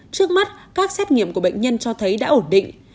trước mắt các xét nghiệm của bệnh nhân cho thấy đã ổn định